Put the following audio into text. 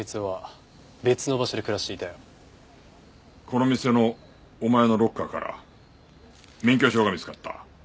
この店のお前のロッカーから免許証が見つかった。